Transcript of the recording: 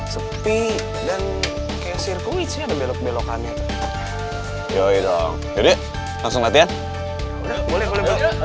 sampai jumpa di video selanjutnya